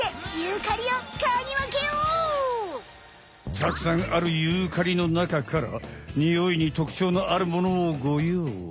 たくさんあるユーカリのなかからニオイにとくちょうのあるものをごようい。